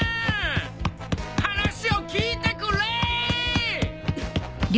話を聞いてくれ！